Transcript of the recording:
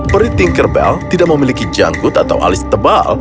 peri tinkerbell tidak memiliki janggut atau alis tebal